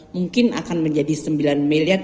mungkin akan menjadi sembilan miliar